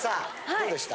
どうでした？